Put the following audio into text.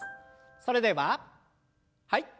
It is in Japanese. それでははい。